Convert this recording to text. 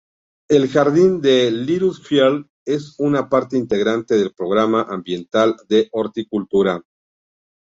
El jardín de Littlefield es hoy una parte integrante del programa ambiental de horticultura.